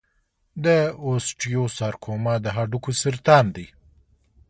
د اوسټیوسارکوما د هډوکو سرطان دی.